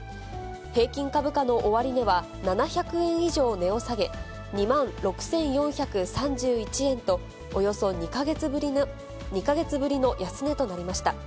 平均株価の終値は７００円以上値を下げ、２万６４３１円と、およそ２か月ぶりの安値となりました。